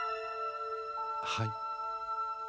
はい。